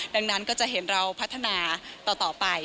ดังนั้นก็จะเห็นเราพัฒนาต่อไป